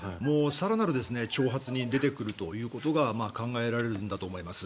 更なる挑発に出てくるということが考えられるんだと思います。